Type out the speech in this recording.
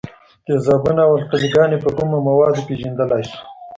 تیزابونه او القلي ګانې په کومو موادو پیژندلای شو؟